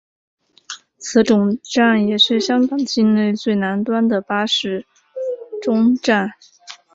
此总站也是香港境内最南端的巴士终站。